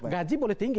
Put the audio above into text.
gaji boleh tinggi